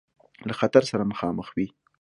له خطر سره مخامخ وي.